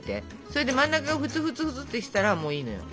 それで真ん中がふつふつふつってしたらもういいのよ。